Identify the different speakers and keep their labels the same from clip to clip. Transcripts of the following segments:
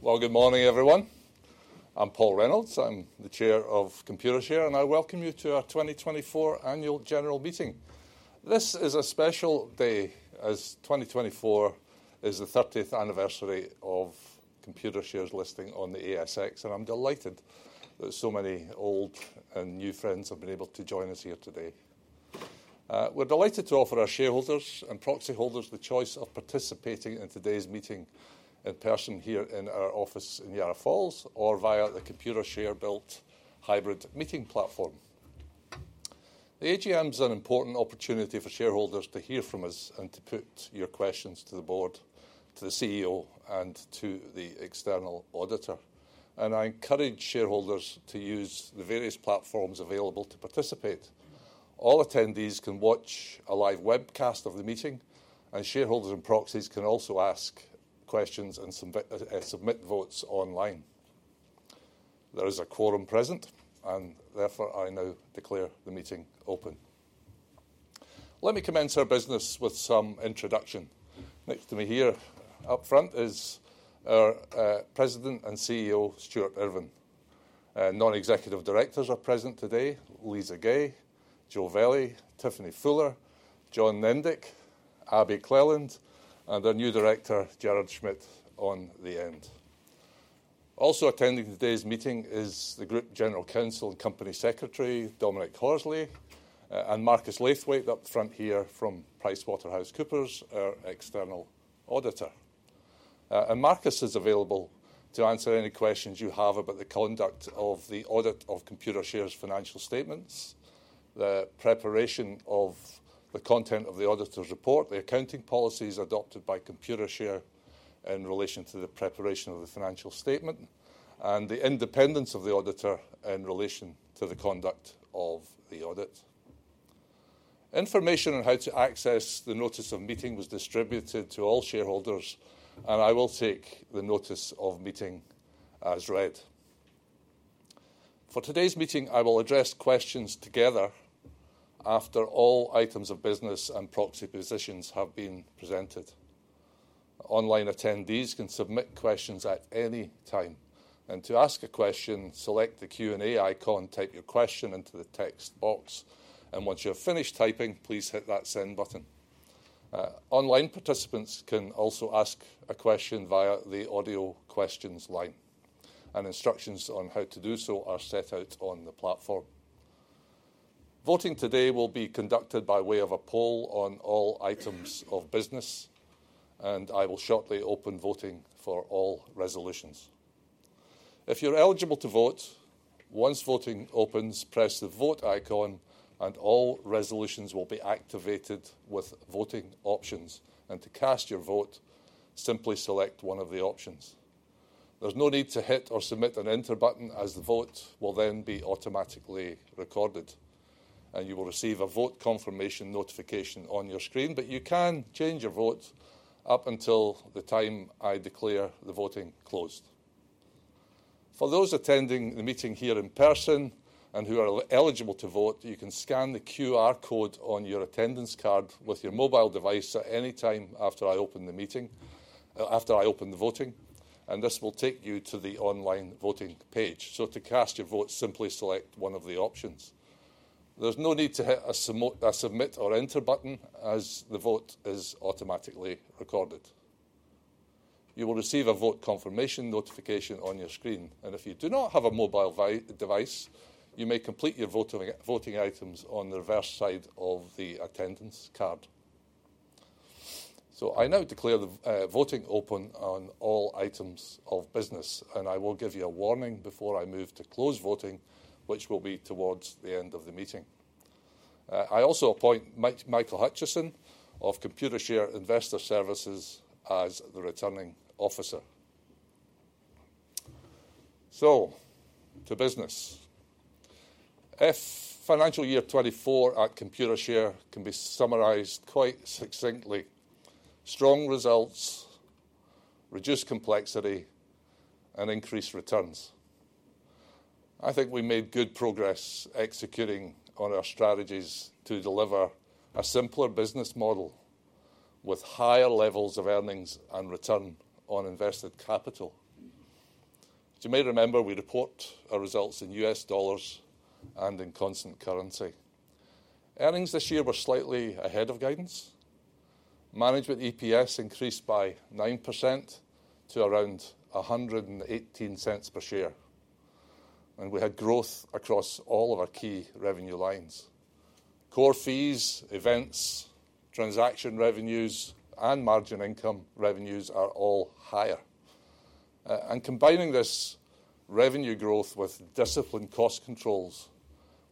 Speaker 1: Well, good morning, everyone. I'm Paul Reynolds. I'm the Chair of Computershare, and I welcome you to our 2024 annual general meeting. This is a special day, as 2024 is the 30th anniversary of Computershare's listing on the ASX, and I'm delighted that so many old and new friends have been able to join us here today. We're delighted to offer our shareholders and proxy holders the choice of participating in today's meeting in person here in our office in Yarra Falls, or via the Computershare-built hybrid meeting platform. The AGM is an important opportunity for shareholders to hear from us and to put your questions to the board, to the CEO, and to the external auditor, and I encourage shareholders to use the various platforms available to participate. All attendees can watch a live webcast of the meeting, and shareholders and proxies can also ask questions and submit votes online. There is a quorum present, and therefore I now declare the meeting open. Let me commence our business with some introduction. Next to me here, up front, is our president and CEO, Stuart Irving. Non-executive directors are present today: Lisa Gay, Joe Velli, Tiffany Fuller, John Nendick, Abi Cleland, and our new director, Gerrard Schmid, on the end. Also attending today's meeting is the group general counsel and company secretary, Dominic Horsley, and Marcus Laithwaite, up front here from PricewaterhouseCoopers, our external auditor. Marcus is available to answer any questions you have about the conduct of the audit of Computershare's financial statements, the preparation of the content of the auditor's report, the accounting policies adopted by Computershare in relation to the preparation of the financial statement, and the independence of the auditor in relation to the conduct of the audit. Information on how to access the notice of meeting was distributed to all shareholders, and I will take the notice of meeting as read. For today's meeting, I will address questions together after all items of business and proxy positions have been presented. Online attendees can submit questions at any time. To ask a question, select the Q&A icon, type your question into the text box, and once you're finished typing, please hit that send button. Online participants can also ask a question via the audio questions line, and instructions on how to do so are set out on the platform. Voting today will be conducted by way of a poll on all items of business, and I will shortly open voting for all resolutions. If you're eligible to vote, once voting opens, press the vote icon, and all resolutions will be activated with voting options, and to cast your vote, simply select one of the options. There's no need to hit or submit an enter button, as the vote will then be automatically recorded, and you will receive a vote confirmation notification on your screen, but you can change your vote up until the time I declare the voting closed. For those attending the meeting here in person and who are eligible to vote, you can scan the QR code on your attendance card with your mobile device at any time after I open the meeting, after I open the voting, and this will take you to the online voting page. So to cast your vote, simply select one of the options. There's no need to hit a submit or enter button, as the vote is automatically recorded. You will receive a vote confirmation notification on your screen. And if you do not have a mobile device, you may complete your voting items on the reverse side of the attendance card. So I now declare the voting open on all items of business, and I will give you a warning before I move to close voting, which will be towards the end of the meeting. I also appoint Michael Hutchison of Computershare Investor Services as the returning officer. So, to business. If financial year 2024 at Computershare can be summarized quite succinctly: strong results, reduced complexity, and increased returns. I think we made good progress executing on our strategies to deliver a simpler business model with higher levels of earnings and return on invested capital. As you may remember, we report our results in U.S. dollars and in constant currency. Earnings this year were slightly ahead of guidance. Management EPS increased by 9% to around $1.18 per share. And we had growth across all of our key revenue lines. Core fees, events, transaction revenues, and margin income revenues are all higher. And combining this revenue growth with disciplined cost controls,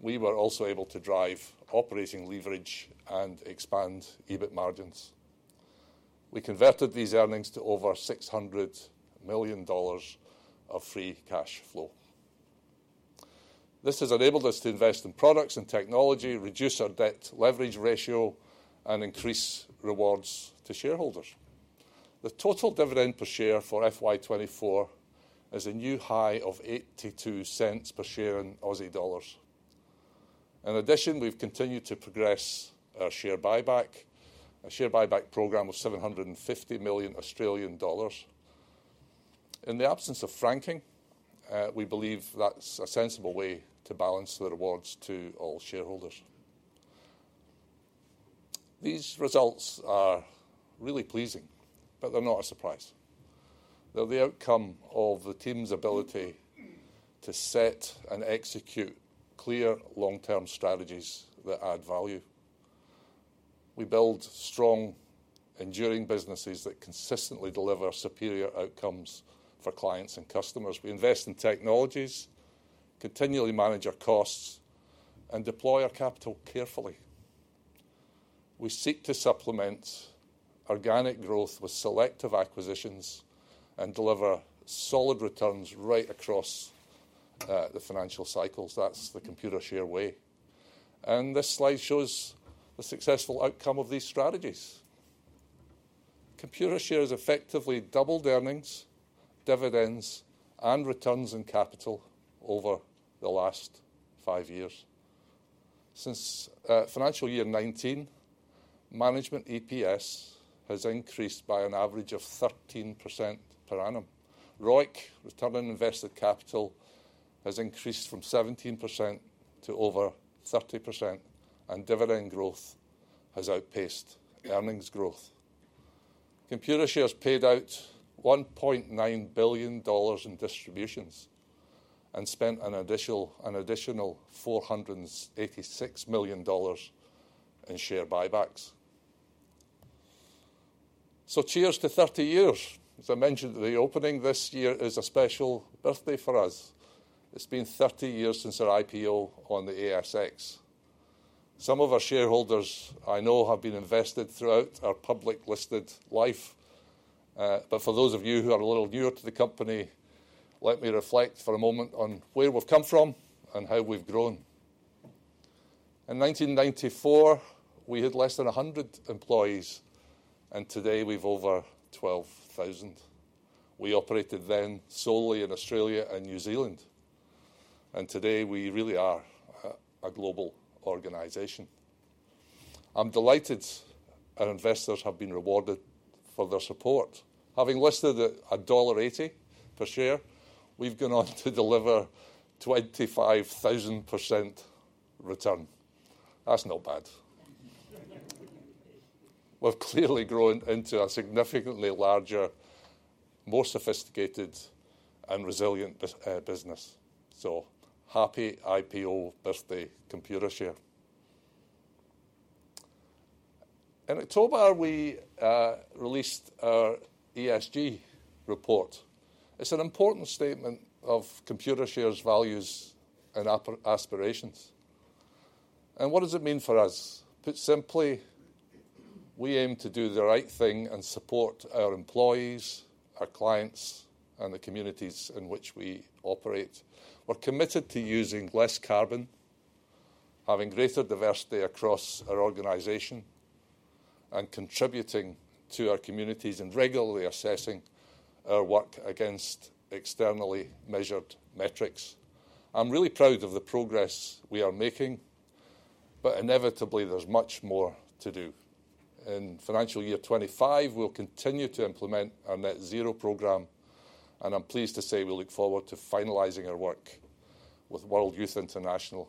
Speaker 1: we were also able to drive operating leverage and expand EBIT margins. We converted these earnings to over $600 million of free cash flow. This has enabled us to invest in products and technology, reduce our debt leverage ratio, and increase rewards to shareholders. The total dividend per share for FY 2024 is a new high of 0.82 per share in Aussie dollars. In addition, we've continued to progress our share buyback, a share buyback program of 750 million Australian dollars. In the absence of franking, we believe that's a sensible way to balance the rewards to all shareholders. These results are really pleasing, but they're not a surprise. They're the outcome of the team's ability to set and execute clear long-term strategies that add value. We build strong, enduring businesses that consistently deliver superior outcomes for clients and customers. We invest in technologies, continually manage our costs, and deploy our capital carefully. We seek to supplement organic growth with selective acquisitions and deliver solid returns right across the financial cycles. That's the Computershare way. And this slide shows the successful outcome of these strategies. Computershare has effectively doubled earnings, dividends, and returns in capital over the last five years. Since financial year 2019, Management EPS has increased by an average of 13% per annum. ROIC, return on invested capital, has increased from 17% to over 30%, and dividend growth has outpaced earnings growth. Computershare has paid out $1.9 billion in distributions and spent an additional $486 million in share buybacks. So cheers to 30 years. As I mentioned, the opening this year is a special birthday for us. It's been 30 years since our IPO on the ASX. Some of our shareholders, I know, have been invested throughout our public-listed life. But for those of you who are a little newer to the company, let me reflect for a moment on where we've come from and how we've grown. In 1994, we had less than 100 employees, and today we've over 12,000. We operated then solely in Australia and New Zealand, and today we really are a global organization. I'm delighted our investors have been rewarded for their support. Having listed at $1.80 per share, we've gone on to deliver 25,000% return. That's not bad. We've clearly grown into a significantly larger, more sophisticated, and resilient business. So happy IPO birthday, Computershare. In October, we released our ESG report. It's an important statement of Computershare's values and aspirations. And what does it mean for us? Put simply, we aim to do the right thing and support our employees, our clients, and the communities in which we operate. We're committed to using less carbon, having greater diversity across our organization, and contributing to our communities and regularly assessing our work against externally measured metrics. I'm really proud of the progress we are making, but inevitably, there's much more to do. In financial year 2025, we'll continue to implement our net-zero program, and I'm pleased to say we look forward to finalizing our work with World Youth International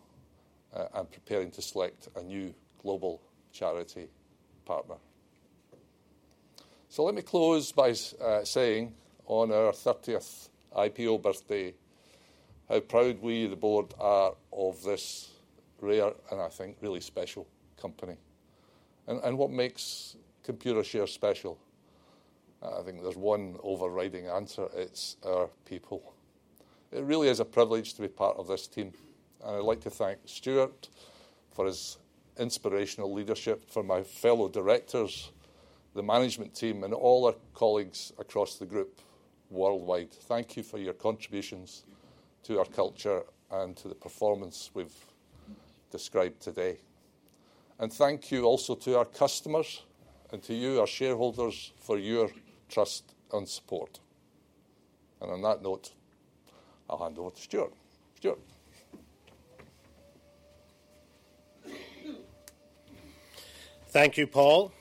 Speaker 1: and preparing to select a new global charity partner. So let me close by saying, on our 30th IPO birthday, how proud we, the board, are of this rare and, I think, really special company. And what makes Computershare special? I think there's one overriding answer. It's our people. It really is a privilege to be part of this team. And I'd like to thank Stuart for his inspirational leadership, for my fellow directors, the management team, and all our colleagues across the group worldwide. Thank you for your contributions to our culture and to the performance we've described today. And thank you also to our customers and to you, our shareholders, for your trust and support. And on that note, I'll hand over to Stuart. Stuart.
Speaker 2: Thank you, Paul.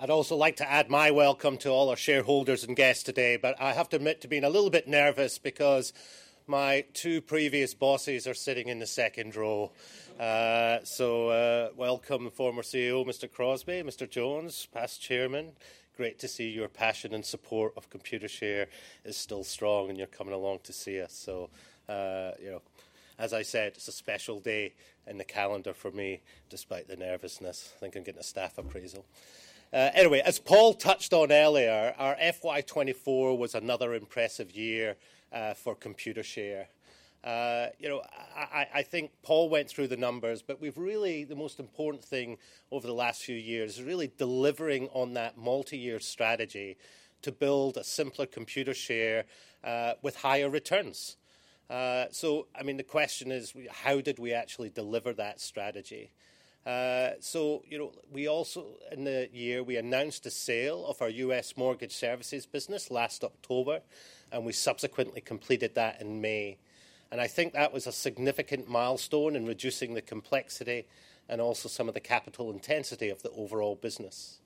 Speaker 2: I'd also like to add my welcome to all our shareholders and guests today, but I have to admit to being a little bit nervous because my two previous bosses are sitting in the second row. So welcome, former CEO, Mr. Crosby, Mr. Jones, past chairman. Great to see your passion and support of Computershare is still strong, and you're coming along to see us. So, as I said, it's a special day in the calendar for me, despite the nervousness, thinking of getting a staff appraisal. Anyway, as Paul touched on earlier, our FY 2024 was another impressive year for Computershare. I think Paul went through the numbers, but we've really, the most important thing over the last few years is really delivering on that multi-year strategy to build a simpler Computershare with higher returns. So, I mean, the question is, how did we actually deliver that strategy? So in the year, we announced a sale of our U.S. Mortgage Services business last October, and we subsequently completed that in May. And I think that was a significant milestone in reducing the complexity and also some of the capital intensity of the overall business.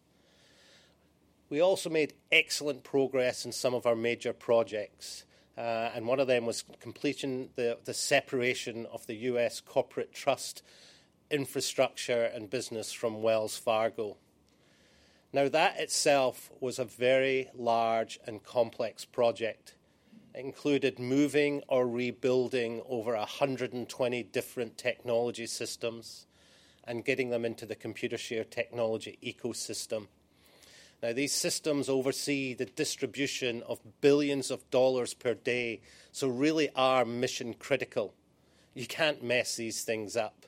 Speaker 2: We also made excellent progress in some of our major projects, and one of them was completing the separation of the U.S. corporate trust infrastructure and business from Wells Fargo. Now, that itself was a very large and complex project. It included moving or rebuilding over 120 different technology systems and getting them into the Computershare technology ecosystem. Now, these systems oversee the distribution of billions of dollars per day, so really are mission-critical. You can't mess these things up.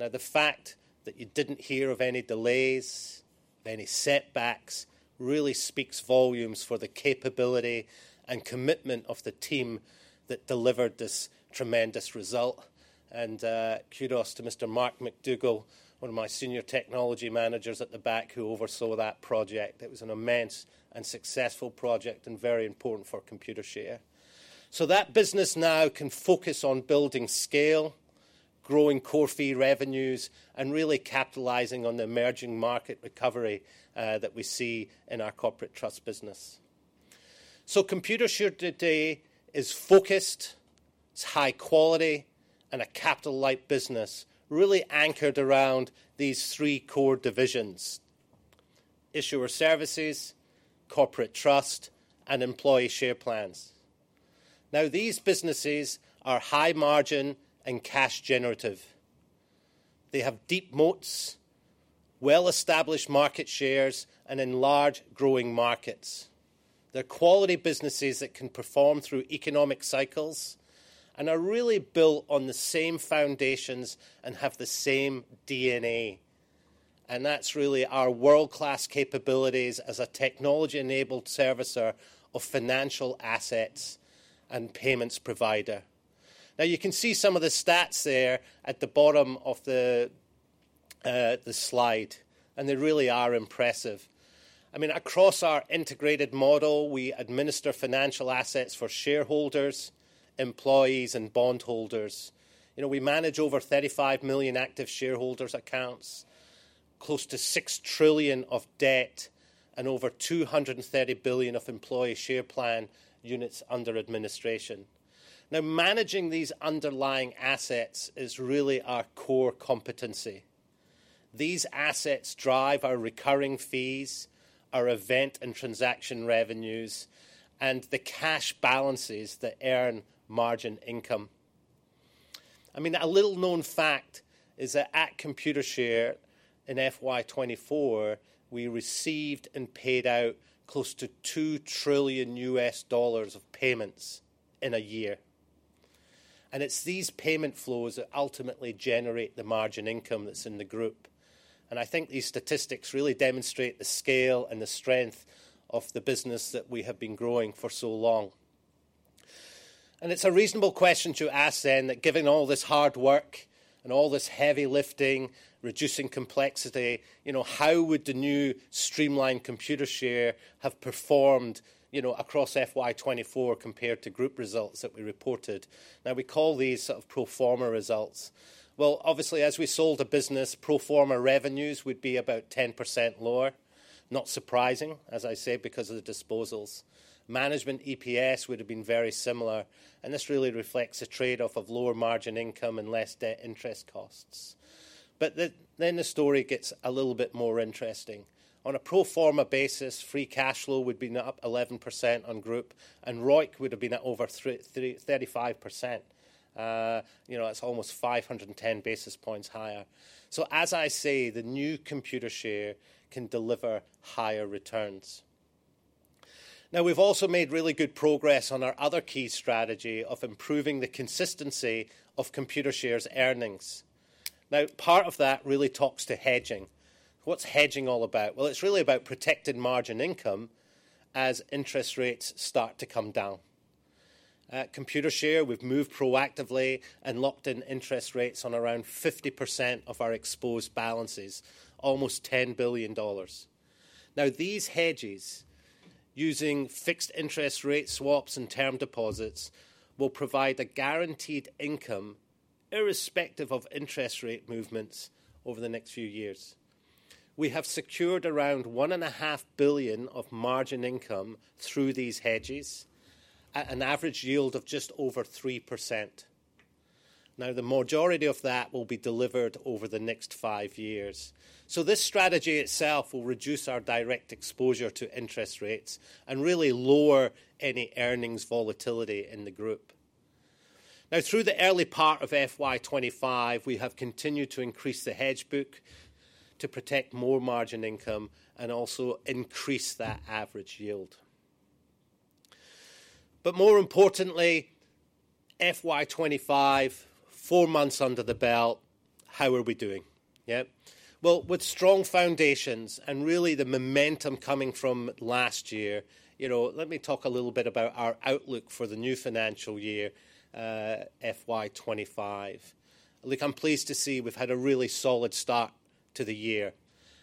Speaker 2: Now, the fact that you didn't hear of any delays, any setbacks, really speaks volumes for the capability and commitment of the team that delivered this tremendous result. And kudos to Mr. Mark McDougall, one of my senior technology managers at the back, who oversaw that project. It was an immense and successful project and very important for Computershare. So that business now can focus on building scale, growing core fee revenues, and really capitalizing on the emerging market recovery that we see in our corporate trust business. So Computershare today is focused, it's high quality, and a capital-light business really anchored around these three core divisions: Issuer Services, Corporate Trust, and Employee Share Plans. Now, these businesses are high margin and cash generative. They have deep moats, well-established market shares, and enlarged growing markets. They're quality businesses that can perform through economic cycles and are really built on the same foundations and have the same DNA, and that's really our world-class capabilities as a technology-enabled servicer of financial assets and payments provider. Now, you can see some of the stats there at the bottom of the slide, and they really are impressive. I mean, across our integrated model, we administer financial assets for shareholders, employees, and bondholders. We manage over 35 million active shareholders' accounts, close to 6 trillion of debt, and over 230 billion of employee share plan units under administration. Now, managing these underlying assets is really our core competency. These assets drive our recurring fees, our event and transaction revenues, and the cash balances that earn margin income. I mean, a little-known fact is that at Computershare, in FY 2024, we received and paid out close to $2 trillion of payments in a year. And it's these payment flows that ultimately generate the margin income that's in the group. And I think these statistics really demonstrate the scale and the strength of the business that we have been growing for so long. And it's a reasonable question to ask then that, given all this hard work and all this heavy lifting, reducing complexity, how would the new streamlined Computershare have performed across FY 2024 compared to group results that we reported? Now, we call these sort of pro forma results. Well, obviously, as we sold a business, pro forma revenues would be about 10% lower. Not surprising, as I say, because of the disposals. Management EPS would have been very similar. This really reflects a trade-off of lower margin income and less debt interest costs. But then the story gets a little bit more interesting. On a pro forma basis, free cash flow would be up 11% on group, and ROIC would have been at over 35%. It's almost 510 basis points higher. So, as I say, the new Computershare can deliver higher returns. Now, we've also made really good progress on our other key strategy of improving the consistency of Computershare's earnings. Now, part of that really talks to hedging. What's hedging all about? Well, it's really about protected margin income as interest rates start to come down. Computershare, we've moved proactively and locked in interest rates on around 50% of our exposed balances, almost $10 billion. Now, these hedges, using fixed interest rate swaps and term deposits, will provide a guaranteed income irrespective of interest rate movements over the next few years. We have secured around $1.5 billion of margin income through these hedges at an average yield of just over 3%. Now, the majority of that will be delivered over the next five years. So this strategy itself will reduce our direct exposure to interest rates and really lower any earnings volatility in the group. Now, through the early part of FY 2025, we have continued to increase the hedge book to protect more margin income and also increase that average yield. But more importantly, FY 2025, four months under the belt, how are we doing? Yeah? Well, with strong foundations and really the momentum coming from last year, let me talk a little bit about our outlook for the new financial year, FY 2025. Look, I'm pleased to see we've had a really solid start to the year.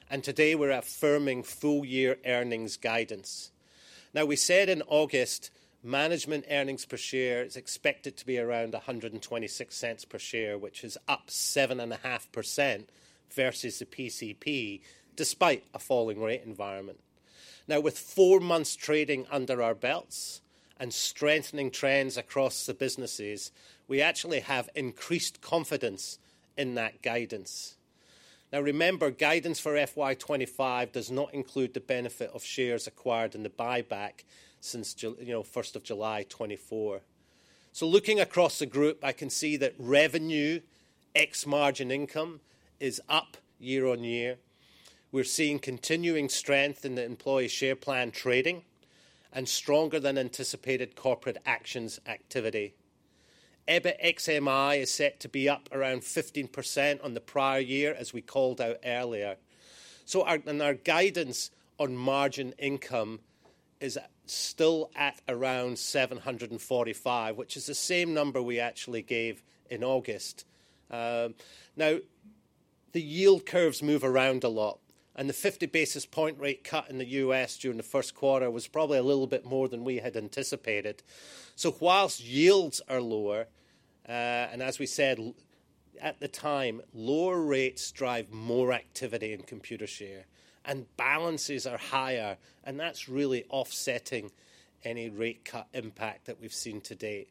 Speaker 2: And today we're affirming full-year earnings guidance. Now, we said in August, management earnings per share is expected to be around $1.26 per share, which is up 7.5% versus the PCP, despite a falling rate environment. Now, with four months trading under our belts and strengthening trends across the businesses, we actually have increased confidence in that guidance. Now, remember, guidance for FY 2025 does not include the benefit of shares acquired in the buyback since 1st of July 2024. So looking across the group, I can see that revenue, ex-margin income, is up year-on-year. We're seeing continuing strength in the employee share plan trading and stronger-than-anticipated corporate actions activity. EBIT ex-MI is set to be up around 15% on the prior year, as we called out earlier. Our guidance on margin income is still at around 745, which is the same number we actually gave in August. Now, the yield curves move around a lot, and the 50 basis point rate cut in the U.S. during the first quarter was probably a little bit more than we had anticipated. While yields are lower, and as we said at the time, lower rates drive more activity in Computershare, and balances are higher, and that's really offsetting any rate cut impact that we've seen to date.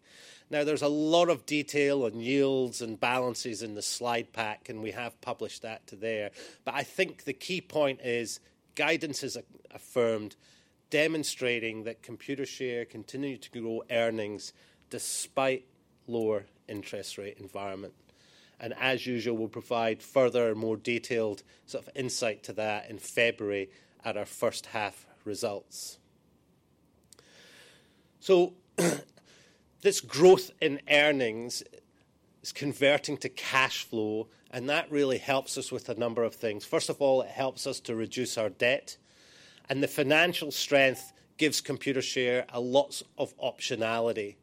Speaker 2: Now, there's a lot of detail on yields and balances in the slide pack, and we have published that there. I think the key point is guidance is affirmed, demonstrating that Computershare continues to grow earnings despite a lower interest rate environment. and as usual, we'll provide further and more detailed sort of insight to that in February at our first half results. So this growth in earnings is converting to cash flow, and that really helps us with a number of things. First of all, it helps us to reduce our debt, and the financial strength gives Computershare a lot of optionality.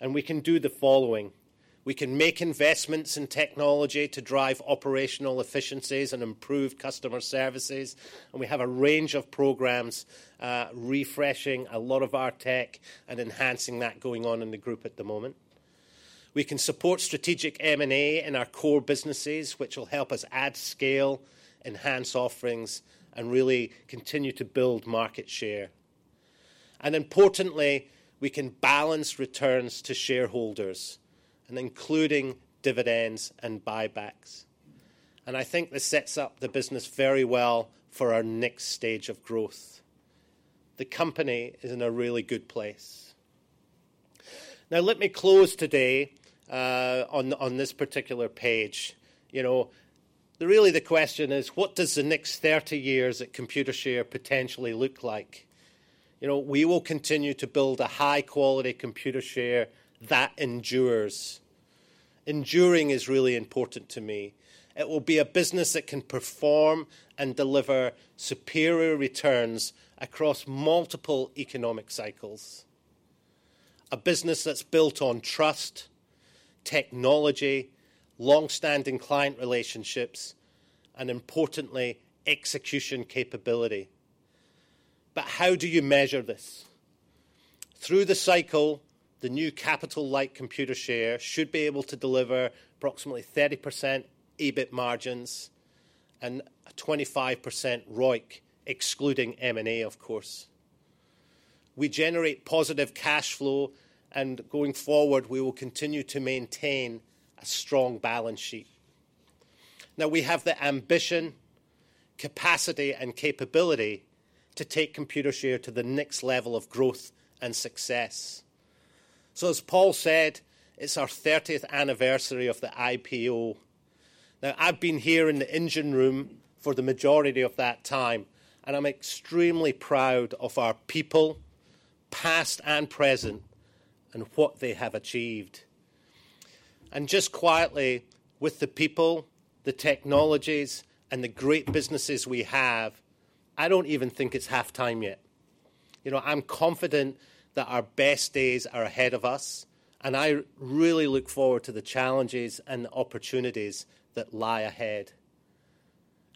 Speaker 2: We can do the following. We can make investments in technology to drive operational efficiencies and improve customer services. We have a range of programs refreshing a lot of our tech and enhancing that going on in the group at the moment. We can support strategic M&A in our core businesses, which will help us add scale, enhance offerings, and really continue to build market share. Importantly, we can balance returns to shareholders, including dividends and buybacks. And I think this sets up the business very well for our next stage of growth. The company is in a really good place. Now, let me close today on this particular page. Really, the question is, what does the next 30 years at Computershare potentially look like? We will continue to build a high-quality Computershare that endures. Enduring is really important to me. It will be a business that can perform and deliver superior returns across multiple economic cycles. A business that's built on trust, technology, long-standing client relationships, and importantly, execution capability. But how do you measure this? Through the cycle, the new capital-light Computershare should be able to deliver approximately 30% EBIT margins and 25% ROIC, excluding M&A, of course. We generate positive cash flow, and going forward, we will continue to maintain a strong balance sheet. Now, we have the ambition, capacity, and capability to take Computershare to the next level of growth and success. So, as Paul said, it's our 30th anniversary of the IPO. Now, I've been here in the engine room for the majority of that time, and I'm extremely proud of our people, past and present, and what they have achieved. And just quietly, with the people, the technologies, and the great businesses we have, I don't even think it's halftime yet. I'm confident that our best days are ahead of us, and I really look forward to the challenges and the opportunities that lie ahead.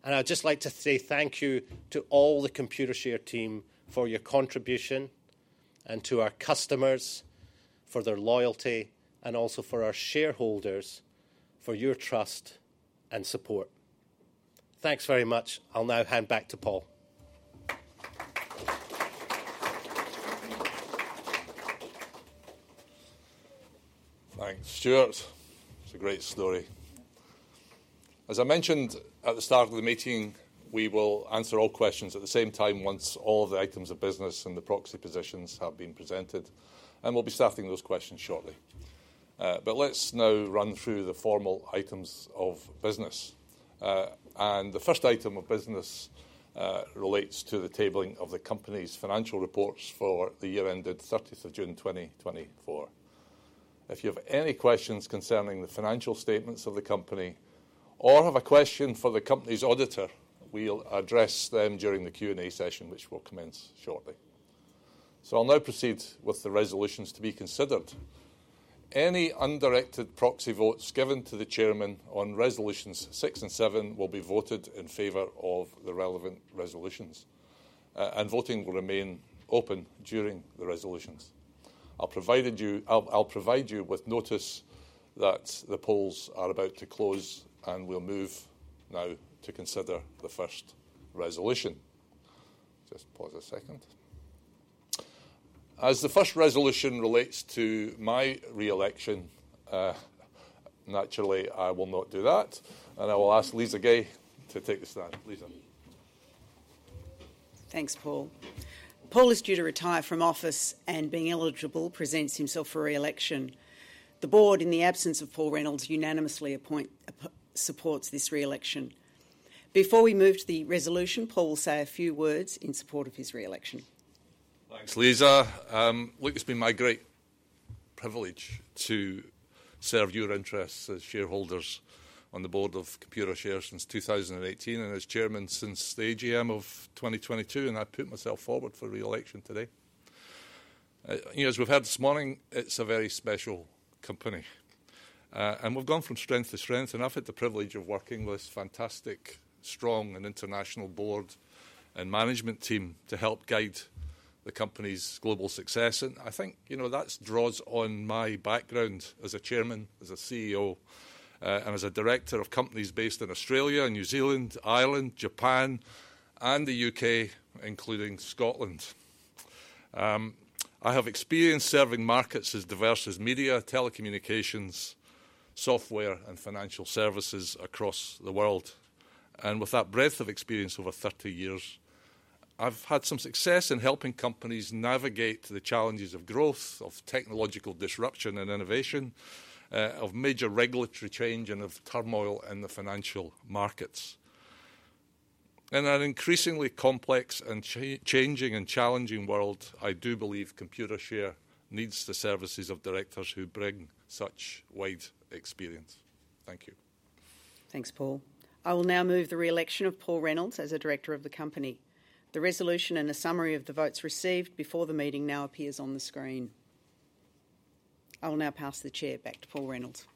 Speaker 2: And I'd just like to say thank you to all the Computershare team for your contribution and to our customers for their loyalty and also for our shareholders for your trust and support. Thanks very much. I'll now hand back to Paul.
Speaker 1: Thanks, Stuart. It's a great story. As I mentioned at the start of the meeting, we will answer all questions at the same time once all of the items of business and the proxy positions have been presented, and we'll be starting those questions shortly. Let's now run through the formal items of business. The first item of business relates to the tabling of the company's financial reports for the year ended 30th of June 2024. If you have any questions concerning the financial statements of the company or have a question for the company's auditor, we'll address them during the Q&A session, which will commence shortly. I'll now proceed with the resolutions to be considered. Any undirected proxy votes given to the chairman on resolutions six and seven will be voted in favor of the relevant resolutions, and voting will remain open during the resolutions. I'll provide you with notice that the polls are about to close, and we'll move now to consider the first resolution. Just pause a second. As the first resolution relates to my reelection, naturally, I will not do that, and I will ask Lisa Gay to take the stand. Lisa.
Speaker 3: Thanks, Paul. Paul is due to retire from office, and being eligible presents himself for reelection. The board, in the absence of Paul Reynolds, unanimously supports this reelection. Before we move to the resolution, Paul will say a few words in support of his reelection.
Speaker 1: Thanks, Lisa. Look, it's been my great privilege to serve your interests as shareholders on the board of Computershare since 2018 and as Chairman since the AGM of 2022, and I put myself forward for reelection today. As we've heard this morning, it's a very special company, and we've gone from strength to strength, and I've had the privilege of working with this fantastic, strong, and international board and management team to help guide the company's global success, and I think that draws on my background as a Chairman, as a CEO, and as a Director of companies based in Australia, New Zealand, Ireland, Japan, and the U.K., including Scotland. I have experience serving markets as diverse as media, telecommunications, software, and financial services across the world. And with that breadth of experience over 30 years, I've had some success in helping companies navigate the challenges of growth, of technological disruption and innovation, of major regulatory change, and of turmoil in the financial markets. In an increasingly complex and changing and challenging world, I do believe Computershare needs the services of directors who bring such wide experience. Thank you.
Speaker 3: Thanks, Paul. I will now move the reelection of Paul Reynolds as a director of the company. The resolution and a summary of the votes received before the meeting now appears on the screen. I will now pass the chair back to Paul Reynolds.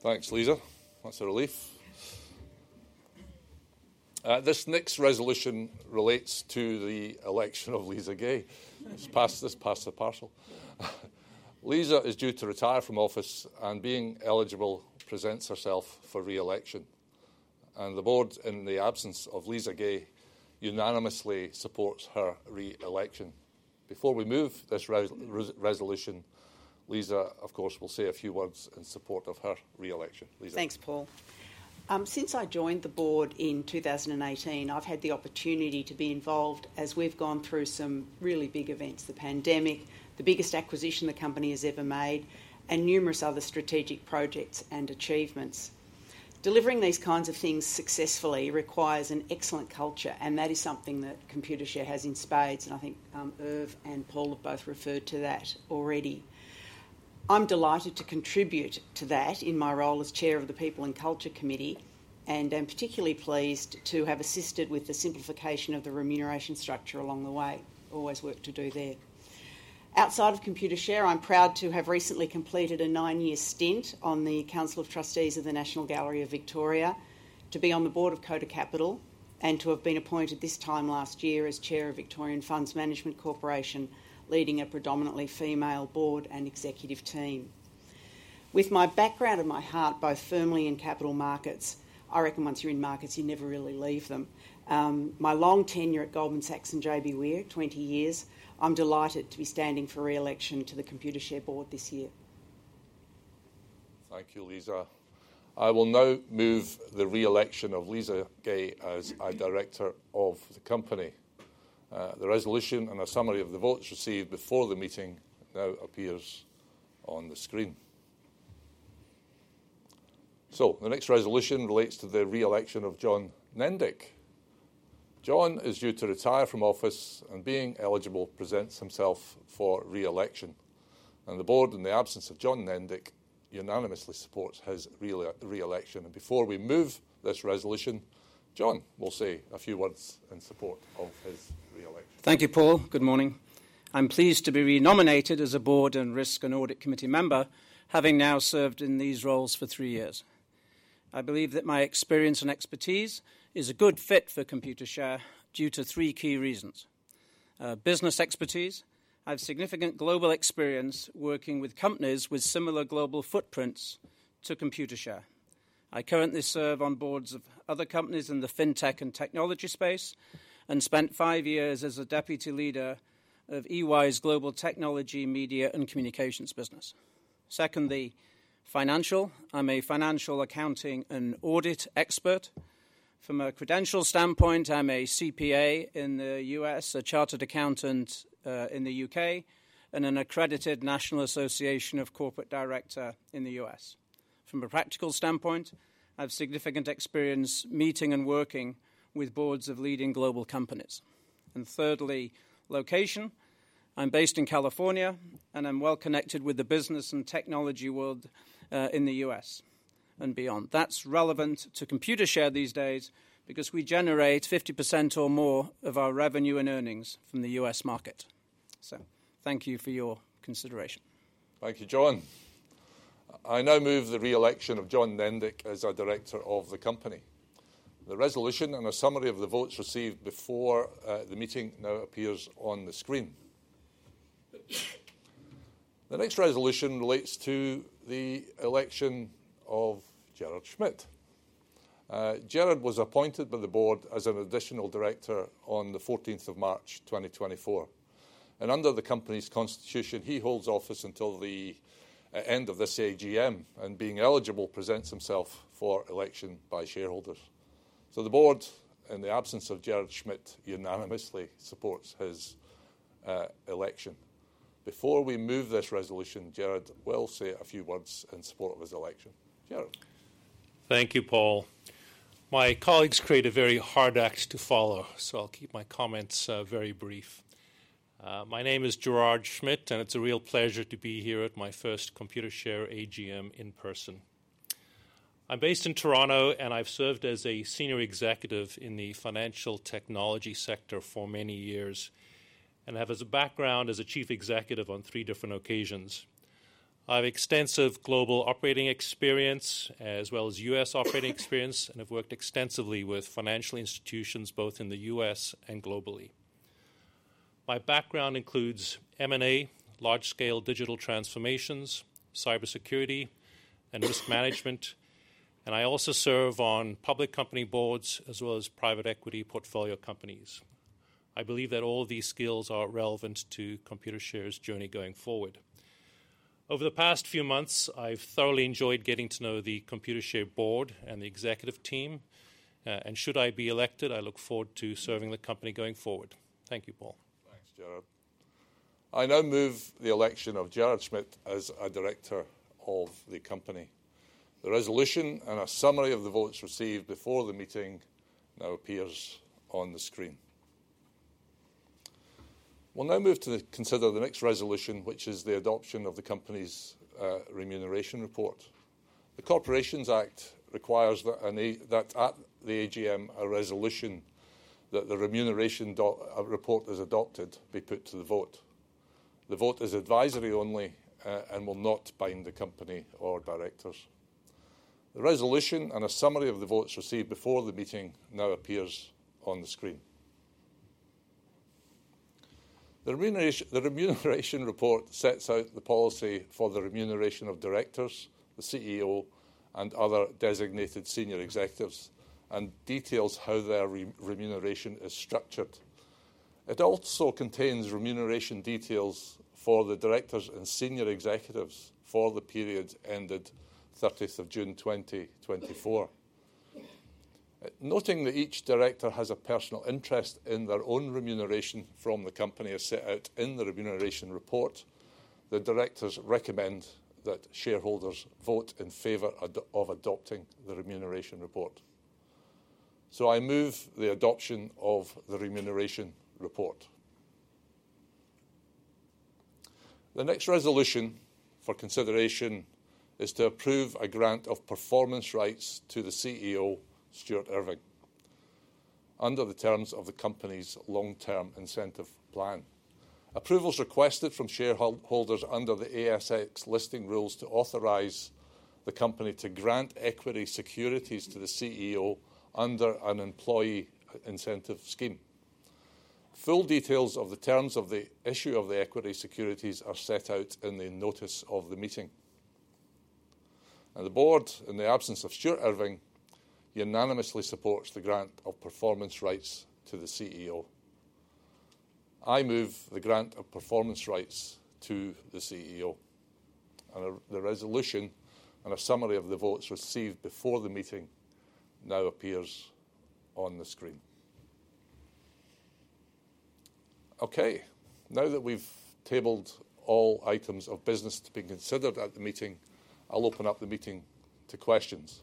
Speaker 1: Thanks, Lisa. That's a relief. This next resolution relates to the election of Lisa Gay. It's passed as partial. Lisa is due to retire from office, and being eligible presents herself for reelection, and the board, in the absence of Lisa Gay, unanimously supports her reelection. Before we move this resolution, Lisa, of course, will say a few words in support of her reelection. Lisa.
Speaker 3: Thanks, Paul. Since I joined the board in 2018, I've had the opportunity to be involved as we've gone through some really big events: the pandemic, the biggest acquisition the company has ever made, and numerous other strategic projects and achievements. Delivering these kinds of things successfully requires an excellent culture, and that is something that Computershare has in spades, and I think Irv and Paul have both referred to that already. I'm delighted to contribute to that in my role as Chair of the People and Culture Committee, and I'm particularly pleased to have assisted with the simplification of the remuneration structure along the way. Always work to do there. Outside of Computershare, I'm proud to have recently completed a nine-year stint on the Council of Trustees of the National Gallery of Victoria, to be on the board of Koda Capital, and to have been appointed this time last year as Chair of Victorian Funds Management Corporation, leading a predominantly female board and executive team. With my background and my heart both firmly in capital markets, I reckon once you're in markets, you never really leave them. My long tenure at Goldman Sachs and JBWere, 20 years. I'm delighted to be standing for reelection to the Computershare board this year.
Speaker 1: Thank you, Lisa. I will now move the reelection of Lisa Gay as a director of the company. The resolution and a summary of the votes received before the meeting now appears on the screen. So the next resolution relates to the reelection of John Nendick. John is due to retire from office, and being eligible presents himself for reelection. And the board, in the absence of John Nendick, unanimously supports his reelection. And before we move this resolution, John will say a few words in support of his reelection.
Speaker 4: Thank you, Paul. Good morning. I'm pleased to be re-nominated as a board and risk and audit committee member, having now served in these roles for three years. I believe that my experience and expertise is a good fit for Computershare due to three key reasons. Business expertise, I have significant global experience working with companies with similar global footprints to Computershare. I currently serve on boards of other companies in the fintech and technology space and spent five years as a deputy leader of EY's global technology, media, and communications business. Secondly, financial, I'm a financial accounting and audit expert. From a credential standpoint, I'm a CPA in the U.S., a chartered accountant in the U.K., and an accredited National Association of Corporate Directors in the U.S. From a practical standpoint, I have significant experience meeting and working with boards of leading global companies. Thirdly, location, I'm based in California, and I'm well connected with the business and technology world in the U.S. and beyond. That's relevant to Computershare these days because we generate 50% or more of our revenue and earnings from the U.S. market. So thank you for your consideration.
Speaker 1: Thank you, John. I now move the reelection of John Nendick as a director of the company. The resolution and a summary of the votes received before the meeting now appears on the screen. The next resolution relates to the election of Gerrard Schmid. Gerrard was appointed by the board as an additional director on the 14th of March 2024. Under the company's constitution, he holds office until the end of this AGM, and being eligible presents himself for election by shareholders. The board, in the absence of Gerrard Schmid, unanimously supports his election. Before we move this resolution, Gerrard will say a few words in support of his election. Gerrard.
Speaker 5: Thank you, Paul. My colleagues create a very hard act to follow, so I'll keep my comments very brief. My name is Gerrard Schmid, and it's a real pleasure to be here at my first Computershare AGM in person. I'm based in Toronto, and I've served as a senior executive in the financial technology sector for many years and have a background as a chief executive on three different occasions. I have extensive global operating experience as well as U.S. operating experience, and I've worked extensively with financial institutions both in the U.S. and globally. My background includes M&A, large-scale digital transformations, cybersecurity, and risk management, and I also serve on public company boards as well as private equity portfolio companies. I believe that all these skills are relevant to Computershare's journey going forward. Over the past few months, I've thoroughly enjoyed getting to know the Computershare board and the executive team, and should I be elected, I look forward to serving the company going forward. Thank you, Paul.
Speaker 1: Thanks, Gerrard. I now move the election of Gerrard Schmid as a director of the company. The resolution and a summary of the votes received before the meeting now appears on the screen. We'll now move to consider the next resolution, which is the adoption of the company's remuneration report. The Corporations Act requires that at the AGM, a resolution that the remuneration report is adopted be put to the vote. The vote is advisory only and will not bind the company or directors. The resolution and a summary of the votes received before the meeting now appears on the screen. The remuneration report sets out the policy for the remuneration of directors, the CEO, and other designated senior executives and details how their remuneration is structured. It also contains remuneration details for the directors and senior executives for the period ended 30th of June 2024. Noting that each director has a personal interest in their own remuneration from the company as set out in the remuneration report, the directors recommend that shareholders vote in favor of adopting the remuneration report, so I move the adoption of the remuneration report. The next resolution for consideration is to approve a grant of performance rights to the CEO, Stuart Irving, under the terms of the company's long-term incentive plan. Approval is requested from shareholders under the ASX listing rules to authorize the company to grant equity securities to the CEO under an employee incentive scheme. Full details of the terms of the issue of the equity securities are set out in the notice of the meeting, and the board, in the absence of Stuart Irving, unanimously supports the grant of performance rights to the CEO. I move the grant of performance rights to the CEO. The resolution and a summary of the votes received before the meeting now appears on the screen. Okay, now that we've tabled all items of business to be considered at the meeting, I'll open up the meeting to questions.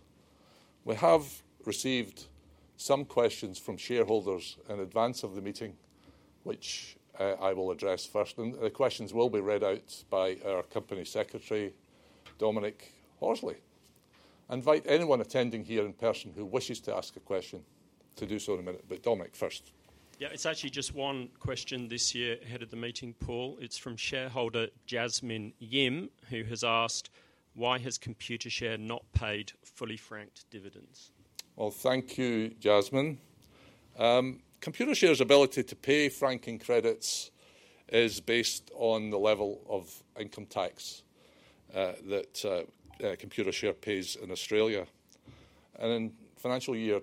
Speaker 1: We have received some questions from shareholders in advance of the meeting, which I will address first. The questions will be read out by our Company Secretary, Dominic Horsley. I invite anyone attending here in person who wishes to ask a question to do so in a minute, but Dominic first.
Speaker 6: Yeah, it's actually just one question this year ahead of the meeting, Paul. It's from shareholder Jasmine Yim, who has asked, why has Computershare not paid fully franked dividends?
Speaker 1: Thank you, Jasmine. Computershare's ability to pay franking credits is based on the level of income tax that Computershare pays in Australia. In financial year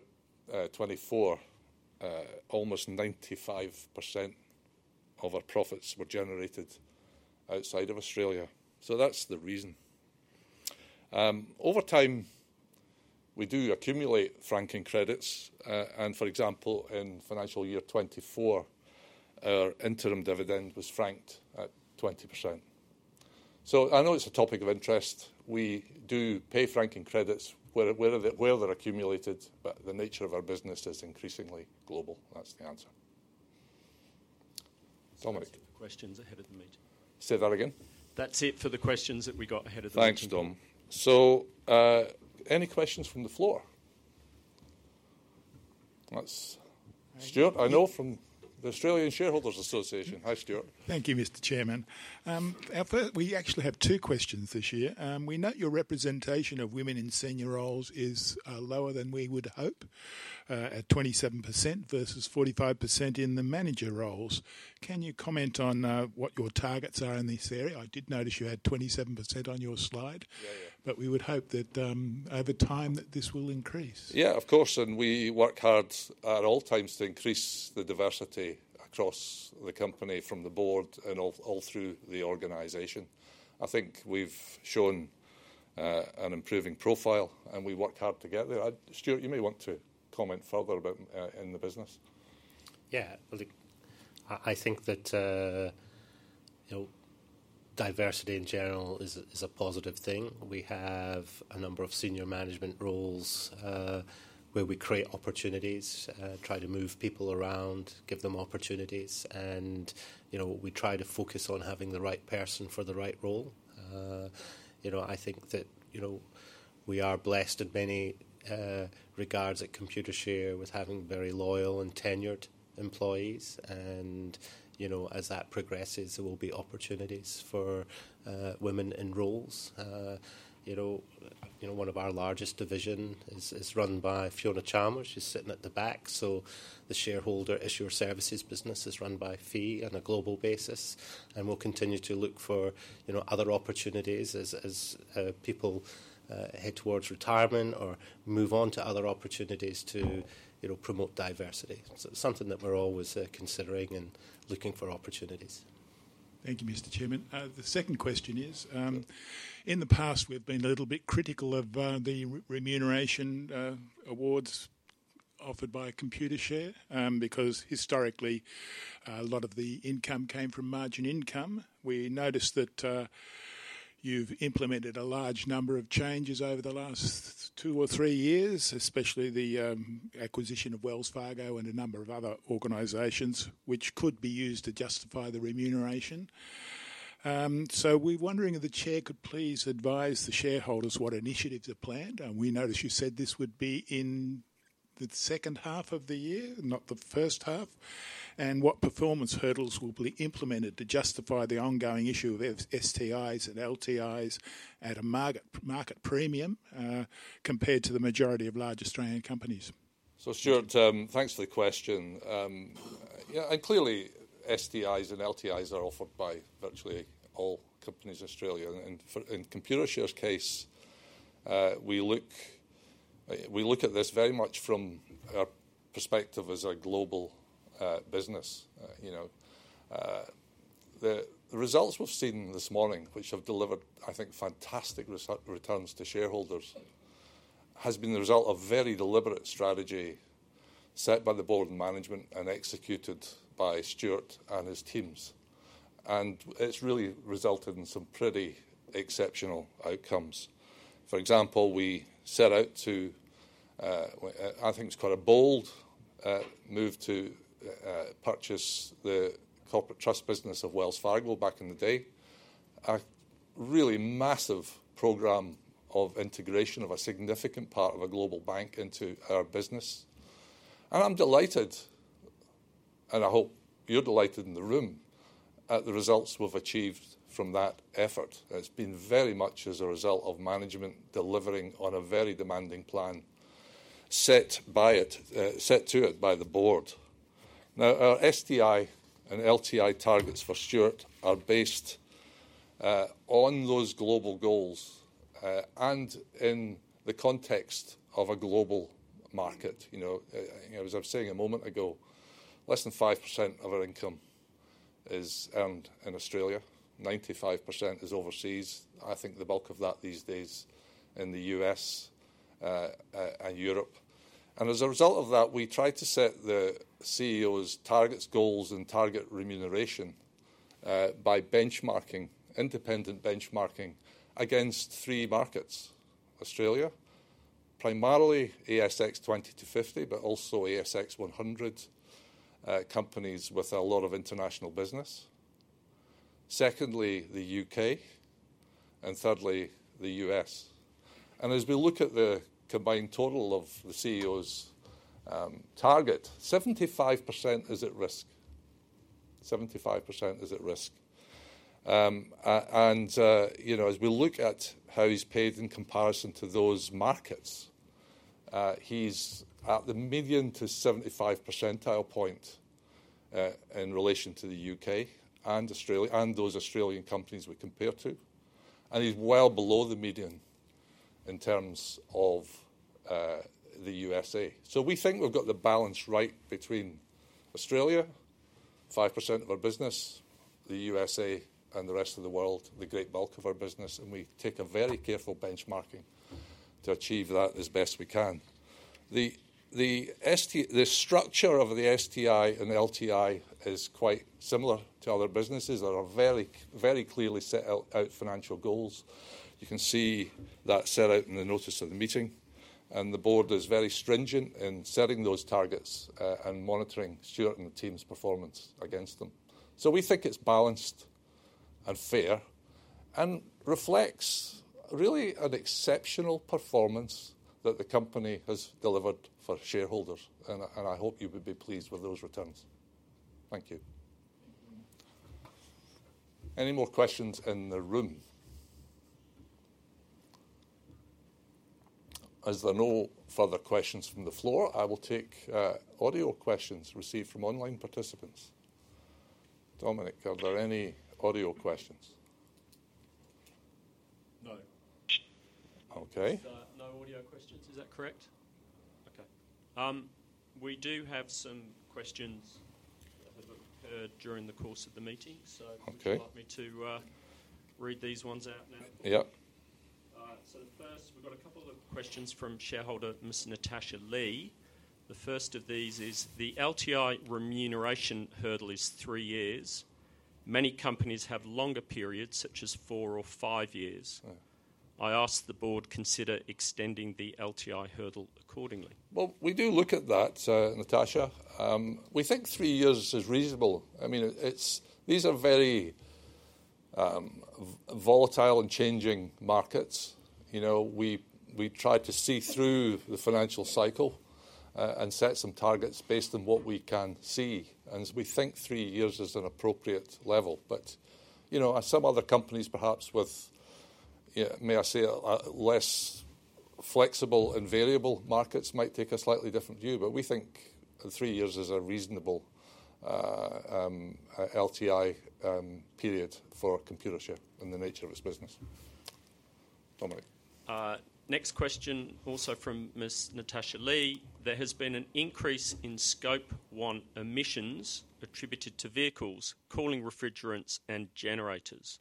Speaker 1: 2024, almost 95% of our profits were generated outside of Australia. That's the reason. Over time, we do accumulate franking credits, and for example, in financial year 24, our interim dividend was franked at 20%. I know it's a topic of interest. We do pay franking credits where they're accumulated, but the nature of our business is increasingly global. That's the answer. Dominic.
Speaker 6: That's it for the questions ahead of the meeting.
Speaker 1: Say that again.
Speaker 6: That's it for the questions that we got ahead of the meeting.
Speaker 1: Thanks, Dom. So any questions from the floor? Stewart, I know from the Australian Shareholders Association. Hi, Stewart.
Speaker 7: Thank you, Mr. Chairman. We actually have two questions this year. We note your representation of women in senior roles is lower than we would hope, at 27% versus 45% in the manager roles. Can you comment on what your targets are in this area? I did notice you had 27% on your slide, but we would hope that over time this will increase.
Speaker 1: Yeah, of course, and we work hard at all times to increase the diversity across the company from the board and all through the organization. I think we've shown an improving profile, and we work hard to get there. Stuart, you may want to comment further about it in the business.
Speaker 2: Yeah, I think that diversity in general is a positive thing. We have a number of senior management roles where we create opportunities, try to move people around, give them opportunities, and we try to focus on having the right person for the right role. I think that we are blessed in many regards at Computershare with having very loyal and tenured employees, and as that progresses, there will be opportunities for women in roles. One of our largest divisions is run by Fiona Chalmers. She's sitting at the back. So the shareholder issuer services business is run by Fiona on a global basis, and we'll continue to look for other opportunities as people head towards retirement or move on to other opportunities to promote diversity. So it's something that we're always considering and looking for opportunities.
Speaker 7: Thank you, Mr. Chairman. The second question is, in the past, we've been a little bit critical of the remuneration awards offered by Computershare because historically, a lot of the income came from margin income. We noticed that you've implemented a large number of changes over the last two or three years, especially the acquisition of Wells Fargo and a number of other organizations, which could be used to justify the remuneration. So we're wondering if the chair could please advise the shareholders what initiatives are planned. We noticed you said this would be in the second half of the year, not the first half, and what performance hurdles will be implemented to justify the ongoing issue of STIs and LTIs at a market premium compared to the majority of large Australian companies.
Speaker 1: So Stewart, thanks for the question. And clearly, STIs and LTIs are offered by virtually all companies in Australia. And in Computershare's case, we look at this very much from our perspective as a global business. The results we've seen this morning, which have delivered, I think, fantastic returns to shareholders, have been the result of a very deliberate strategy set by the board and management and executed by Stuart and his teams. And it's really resulted in some pretty exceptional outcomes. For example, we set out to, I think it's called a bold move to purchase the corporate trust business of Wells Fargo back in the day, a really massive program of integration of a significant part of a global bank into our business. And I'm delighted, and I hope you're delighted in the room, at the results we've achieved from that effort. It's been very much as a result of management delivering on a very demanding plan set to it by the board. Now, our STI and LTI targets for Stuart are based on those global goals and in the context of a global market. As I was saying a moment ago, less than 5% of our income is earned in Australia. 95% is overseas. I think the bulk of that these days is in the U.S. and Europe, and as a result of that, we tried to set the CEO's targets, goals, and target remuneration by benchmarking, independent benchmarking against three markets: Australia, primarily ASX 20-50, but also ASX 100 companies with a lot of international business; secondly, the U.K.; and thirdly, the U.S., and as we look at the combined total of the CEO's target, 75% is at risk. 75% is at risk. And as we look at how he's paid in comparison to those markets, he's at the median to 75th percentile point in relation to the U.K. and those Australian companies we compare to. He's well below the median in terms of the U.S.A. We think we've got the balance right between Australia, 5% of our business, the U.S.A., and the rest of the world, the great bulk of our business, and we take a very careful benchmarking to achieve that as best we can. The structure of the STI and LTI is quite similar to other businesses. There are very clearly set out financial goals. You can see that set out in the notice of the meeting. The board is very stringent in setting those targets and monitoring Stuart and the team's performance against them. So we think it's balanced and fair and reflects really an exceptional performance that the company has delivered for shareholders. And I hope you would be pleased with those returns. Thank you. Any more questions in the room? As there are no further questions from the floor, I will take audio questions received from online participants. Dominic, are there any audio questions?
Speaker 6: No.
Speaker 1: Okay.
Speaker 6: No audio questions, is that correct? Okay. We do have some questions that have occurred during the course of the meeting. So would you like me to read these ones out now?
Speaker 1: Yep.
Speaker 6: So the first, we've got a couple of questions from shareholder Ms. Natasha Lee. The first of these is, the LTI remuneration hurdle is three years. Many companies have longer periods, such as four or five years. I ask the board to consider extending the LTI hurdle accordingly.
Speaker 1: Well, we do look at that, Natasha. We think three years is reasonable. I mean, these are very volatile and changing markets. We tried to see through the financial cycle and set some targets based on what we can see. And we think three years is an appropriate level. But some other companies, perhaps, may I say, less flexible and variable markets might take a slightly different view, but we think three years is a reasonable LTI period for Computershare and the nature of its business. Dominic.
Speaker 6: Next question, also from Ms. Natasha Lee. There has been an increase in Scope 1 emissions attributed to vehicles, cooling refrigerants, and generators.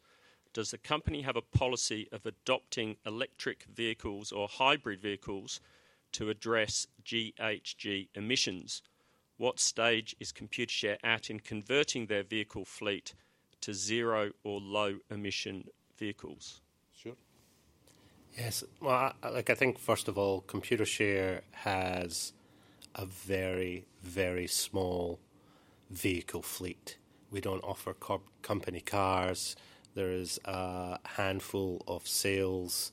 Speaker 6: Does the company have a policy of adopting electric vehicles or hybrid vehicles to address GHG emissions? What stage is Computershare at in converting their vehicle fleet to zero or low emission vehicles?
Speaker 1: Stuart?
Speaker 2: Yes. Well, I think, first of all, Computershare has a very, very small vehicle fleet. We don't offer company cars. There is a handful of sales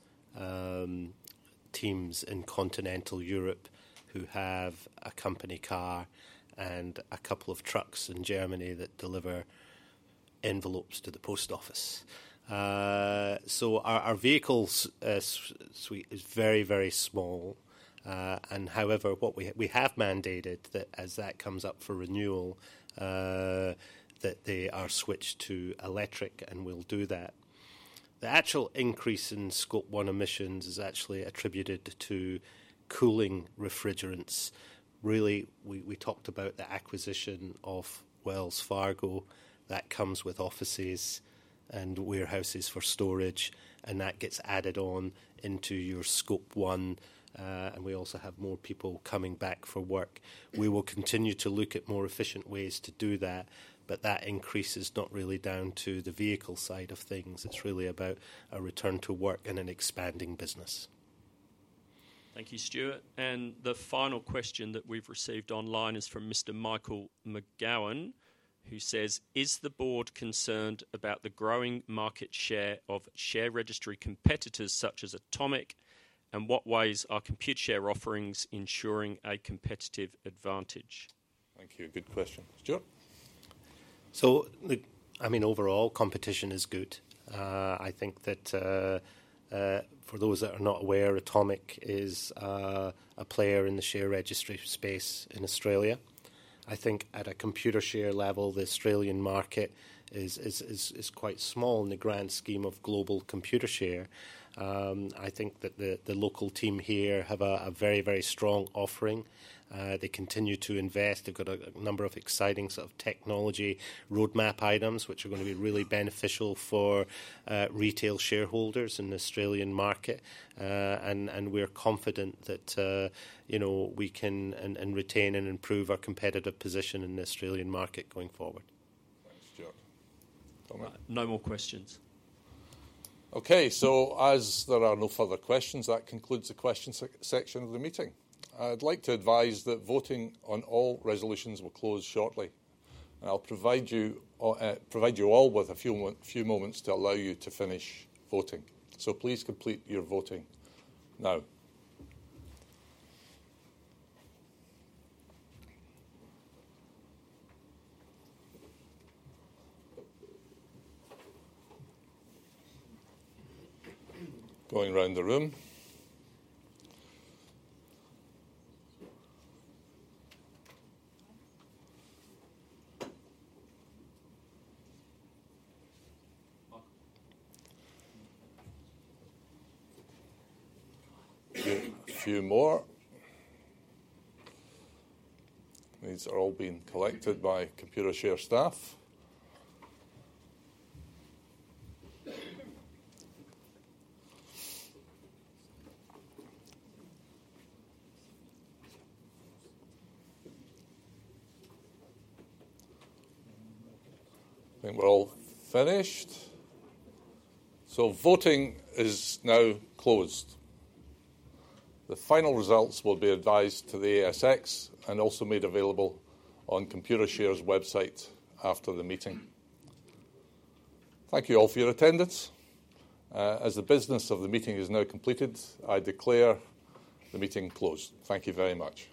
Speaker 2: teams in continental Europe who have a company car and a couple of trucks in Germany that deliver envelopes to the post office. So our vehicle fleet is very, very small. And however, we have mandated that as that comes up for renewal, that they are switched to electric, and we'll do that. The actual increase in Scope 1 emissions is actually attributed to cooling refrigerants. Really, we talked about the acquisition of Wells Fargo. That comes with offices and warehouses for storage, and that gets added on into your Scope 1. And we also have more people coming back for work. We will continue to look at more efficient ways to do that, but that increase is not really down to the vehicle side of things. It's really about a return to work and an expanding business.
Speaker 6: Thank you, Stuart. And the final question that we've received online is from Mr. Michael McGowan, who says, "Is the board concerned about the growing market share of share registry competitors such as Automic? And what ways are Computershare offerings ensuring a competitive advantage?
Speaker 1: Thank you. Good question. Stuart?
Speaker 2: I mean, overall, competition is good. I think that for those that are not aware, Automic is a player in the share registry space in Australia. I think at a Computershare level, the Australian market is quite small in the grand scheme of global Computershare. I think that the local team here have a very, very strong offering. They continue to invest. They've got a number of exciting sort of technology roadmap items, which are going to be really beneficial for retail shareholders in the Australian market. And we're confident that we can retain and improve our competitive position in the Australian market going forward.
Speaker 1: Thanks, Stuart. Dominic?
Speaker 6: No more questions.
Speaker 1: Okay. So as there are no further questions, that concludes the question section of the meeting. I'd like to advise that voting on all resolutions will close shortly. And I'll provide you all with a few moments to allow you to finish voting. So please complete your voting now. Going around the room. A few more. These are all being collected by Computershare staff. I think we're all finished. So voting is now closed. The final results will be advised to the ASX and also made available on Computershare's website after the meeting. Thank you all for your attendance. As the business of the meeting is now completed, I declare the meeting closed. Thank you very much.